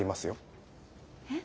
えっ？